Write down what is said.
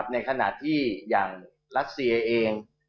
ในขณะที่อย่างรัสเซียเอง